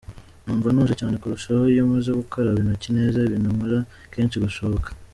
Numva ntuje cyane kurushaho iyo maze gukaraba intoki neza, ibintu nkora kenshi gashoboka".